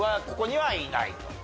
ここにはいないと。